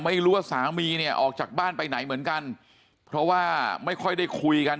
ไม่รู้ว่าสามีเนี่ยออกจากบ้านไปไหนเหมือนกันเพราะว่าไม่ค่อยได้คุยกัน